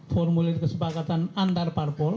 formulir kesepakatan antar parpol